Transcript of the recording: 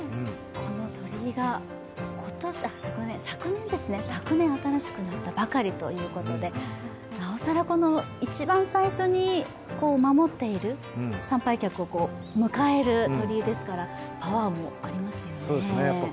この鳥居が昨年新しくなったばかりということで、なおさら一番最初に守っている、参拝客を迎える鳥居ですからパワーもありますよね。